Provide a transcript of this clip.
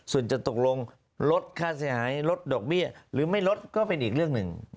ส่วนจะตกลงลดค่าเสียหายลดดอกเบี้ยหรือไม่ลดก็เป็นอีกเรื่องหนึ่ง